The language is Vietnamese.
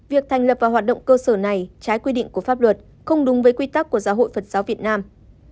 việc thành lập và hoạt động cơ sở này trái quy định của pháp luật không đúng với quy tắc của giáo hội phật giáo việt nam